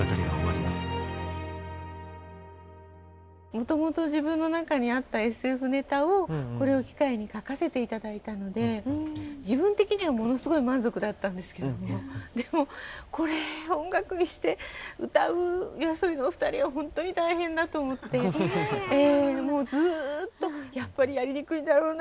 もともと自分の中にあったＳＦネタをこれを機会に書かせていただいたので自分的にはものすごい満足だったんですけれどもでもこれを音楽にして歌うＹＯＡＳＯＢＩのお二人は本当に大変だと思ってずっとやっぱりやりにくいだろうな